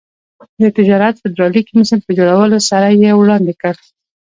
د تجارت فدرالي کمېسیون په جوړولو سره یې وړاندې کړ.